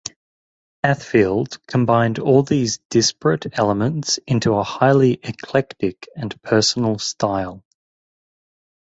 Athfield combined all these disparate elements into a highly eclectic and personal style.